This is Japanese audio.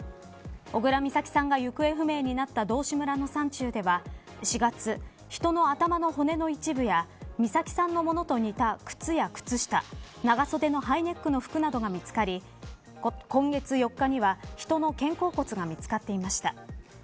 小倉美咲さんが行方不明になった道志村の山中では４月、人の頭の骨の一部や美咲さんのものと似た靴や靴下長袖のハイネックの服などが見つかり今月４日には人の肩甲骨が見つかっていました。